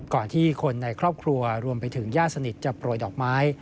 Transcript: ก่อนที่คนในครอบครัวรวมไปถึงญาติสนิทจะโปรยดอกไม้